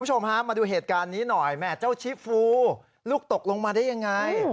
คุณผู้ชมฮะมาดูเหตุการณ์นี้หน่อยแม่เจ้าชิฟูลูกตกลงมาได้ยังไง